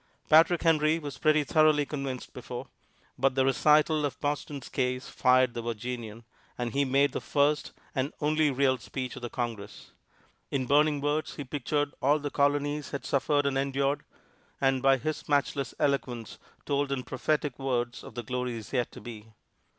Patrick Henry was pretty thoroughly convinced before, but the recital of Boston's case fired the Virginian, and he made the first and only real speech of the Congress. In burning words he pictured all the Colonies had suffered and endured, and by his matchless eloquence told in prophetic words of the glories yet to be.